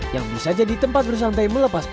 yang bisa jadi tempat bersantai melepas